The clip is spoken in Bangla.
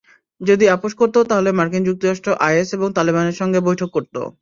যদি আপস করত, তাহলে মার্কিন যুক্তরাষ্ট্র আইএস এবং তালেবানের সঙ্গে বৈঠক করত।